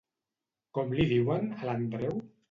Com li diuen, a l'Andreu?